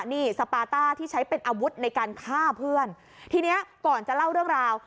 นี่สปาต้าที่ใช้เป็นอาวุธในการฆ่าเพื่อนทีเนี้ยก่อนจะเล่าเรื่องราว